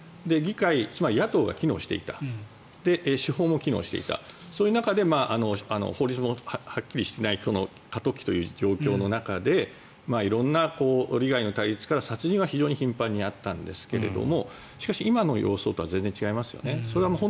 つまり野党が機能していた手法も機能していた中で法律もはっきりしていない過渡期という状況の中で色んな利害の対立から殺人は頻繁にあったんですがしかし今の様相とは違いますよね。